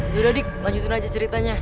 yuda dik lanjutin aja ceritanya